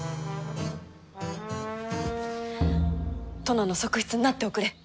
殿の側室になっておくれ。